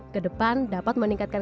ke depan dapat meningkatkan